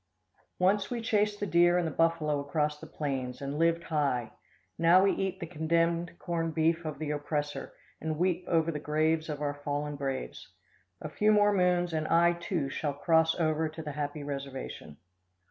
Once we chased the deer and the buffalo across the plains, and lived high. Now we eat the condemned corned beef of the oppressor, and weep over the graves of our fallen braves. A few more moons and I, too, shall cross over to the Happy Reservation.